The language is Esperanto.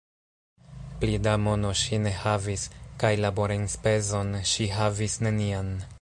Pli da mono ŝi ne havis, kaj laborenspezon ŝi havis nenian.